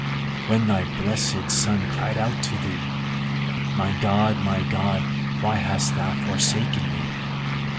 When thy blessed Son cried out to thee, _My God, my God, why hast thou forsaken me?